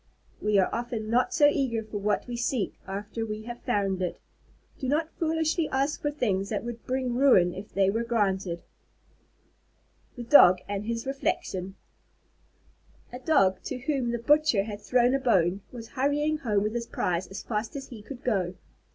We are often not so eager for what we seek, after we have found it. Do not foolishly ask for things that would bring ruin if they were granted. THE DOG AND HIS REFLECTION A Dog, to whom the butcher had thrown a bone, was hurrying home with his prize as fast as he could go.